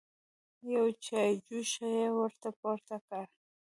يوه چايجوشه يې ور پورته کړه.